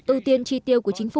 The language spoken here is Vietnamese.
ưu tiên tri tiêu của chính phủ